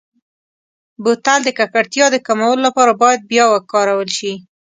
بوتل د ککړتیا د کمولو لپاره باید بیا وکارول شي.